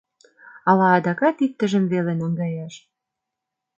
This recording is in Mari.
Ала адакат иктыжым веле наҥгаяш?